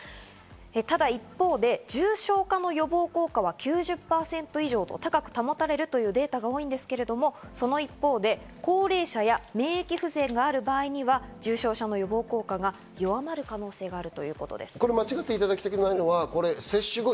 ただ一方で重症化の予防効果は９０％以上と高く保たれるというデータが多いんですけど、その一方で高齢者や免疫不全がある場合には重症化予防効果が弱まる可能性があるということなんです。